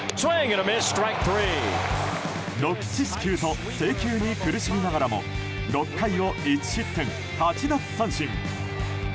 ６四死球と制球に苦しみながらも６回を１失点、８奪三振。